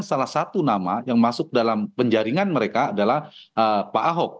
salah satu nama yang masuk dalam penjaringan mereka adalah pak ahok